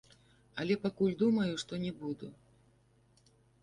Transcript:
Але пакуль думаю, што не буду.